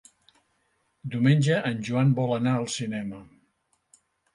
Diumenge en Joan vol anar al cinema.